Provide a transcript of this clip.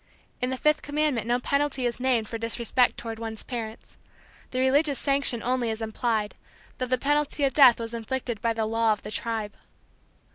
In the fifth commandment no penalty is named for disrespect toward one's parents. The religious sanction only is implied, though the penalty of death was inflicted by the law of the tribe.